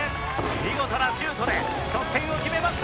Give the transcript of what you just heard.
見事なシュートで得点を決めました！